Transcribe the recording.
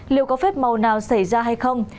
liệu có phép màu nào xảy ra hay không